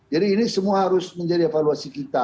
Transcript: jadi ini semua harus menjadi evaluasi kita